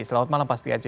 selamat malam pak setiaji